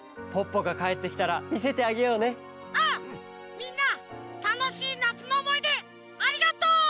みんなたのしいなつのおもいでありがとう！